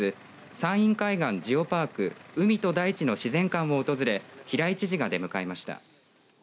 山陰海岸ジオパーク海と大地の自然館を訪れ平井知事が出迎えました。